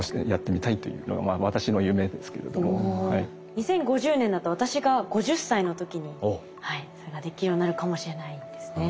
２０５０年だと私が５０歳の時にそれができるようになるかもしれないんですね。